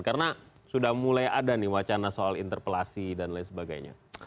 karena sudah mulai ada nih wacana soal interpelasi dan lain sebagainya